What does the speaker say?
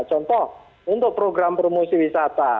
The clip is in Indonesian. contoh untuk program promosi wisata